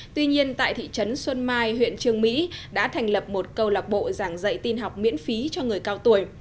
tuy nhiên tại thị trấn xuân mai huyện trương mỹ đã thành lập một câu lạc bộ giảng dạy tin học miễn phí cho người cao tuổi